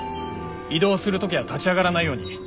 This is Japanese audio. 移動する時は立ち上がらないように。